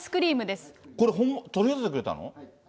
これ取り寄せてくれたの？